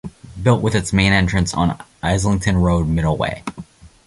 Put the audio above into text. Built with its main entrance on Islington Row Middleway.